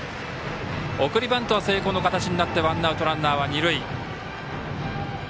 送りバントは成功の形になってワンアウト、ランナーは二塁。